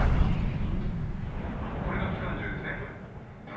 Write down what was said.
これが機関銃ですね。